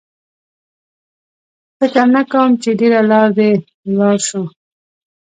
فکر نه کوم چې ډېره لار دې ولاړ شو.